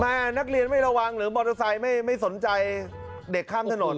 นักเรียนไม่ระวังหรือมอเตอร์ไซค์ไม่สนใจเด็กข้ามถนน